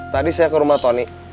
tadi saya ke rumah tony